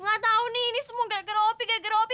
nggak tahu nih ini semua gara gara opi gara gara opi